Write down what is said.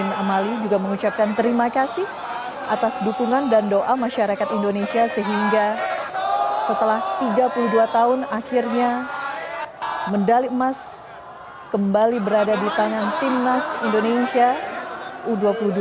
amin amali juga mengucapkan terima kasih atas dukungan dan doa masyarakat indonesia sehingga setelah tiga puluh dua tahun akhirnya medali emas kembali berada di tangan timnas indonesia u dua puluh dua